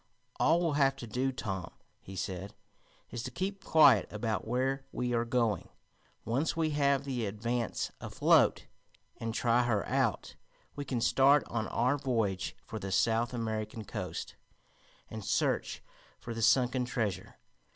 "All we'll have to do, Tom," he said, "is to keep quiet about where we are going. Once we have the Advance afloat, and try her out, we can start on our voyage for the South American Coast and search for the sunken treasure.